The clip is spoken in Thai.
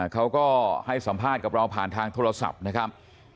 เขาก็ให้สัมภาษณ์กับเราผ่านทางโทรศัพท์นะครับ